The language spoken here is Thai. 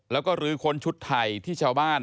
แล้วก็ลื้อค้นชุดไทยที่ชาวบ้าน